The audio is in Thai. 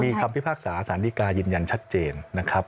มีคำพิพากษาสารดีกายืนยันชัดเจนนะครับ